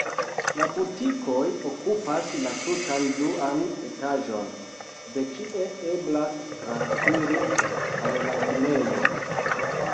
La butikoj okupas la tutan duan etaĝon, de kie eblas transiri al la kinejo.